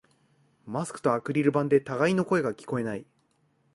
マスクとアクリル板で互いの声が聞こえない